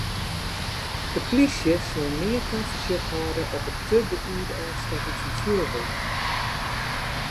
De polysje sil mear tafersjoch hâlde op it te betiid ôfstekken fan fjurwurk.